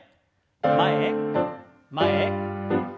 前前。